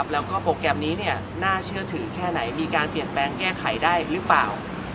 แล้วก็โปรแกรมนี้น่าเชื่อถือแค่ไหนมีการเปลี่ยนแปลงแก้ไขได้หรือเปล่า